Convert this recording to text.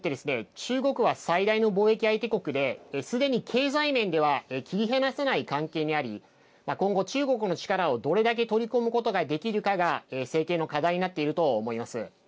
中国は最大の貿易相手国ですでに経済面では切り離せない関係にあり今後、中国の力をどれだけ取り込むことができるかが政権の課題になっていると思います。